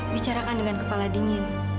bicarakan dengan kepala dingin